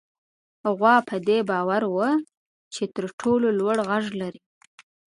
غوا په دې باور وه چې تر ټولو لوړ غږ لري.